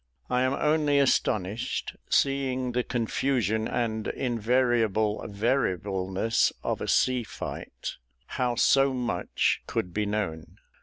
I am only astonished, seeing the confusion and invariable variableness of a sea light, how so much could be known.